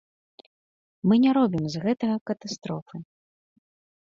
Мы не робім з гэтага катастрофы.